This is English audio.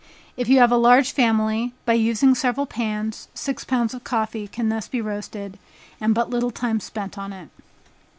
If you have a large family, by using several pans, six pounds of coffee can thus be roasted, and but little time spent on it.